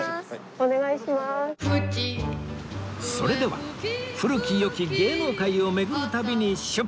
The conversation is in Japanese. それでは古き良き芸能界を巡る旅に出発！